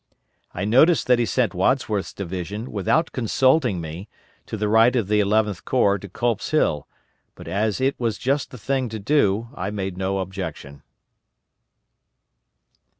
I noticed that he sent Wadsworth's division, without consulting me, to the right of the Eleventh Corps to Culp's Hill, but as it was just the thing to do I made no objection."